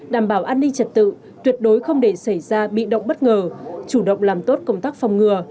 đảm bảo an ninh trật tự tuyệt đối không để xảy ra bị động bất ngờ chủ động làm tốt công tác phòng ngừa